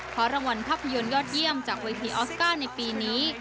คว้ารางวัลภาพยนตร์ยอดเยี่ยมจากเวทีออสการ์ในปีนี้